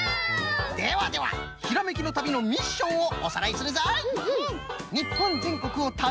ではではひらめきの旅のミッションをおさらいするぞ！